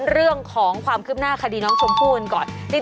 เรื่องของความคืบหน้าคดีน้องชมพู่กันก่อน